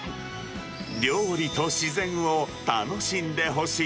料理と自然を楽しんでほしい。